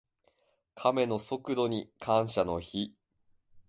カメの速度に感謝の日。